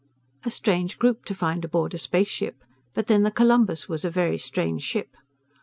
A strange group to find aboard a spaceship, but then The Columbus was a very strange ship.